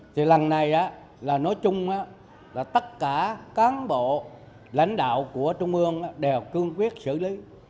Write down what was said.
thì lần này là nói chung là tất cả cán bộ lãnh đạo của trung ương đều cương quyết xử lý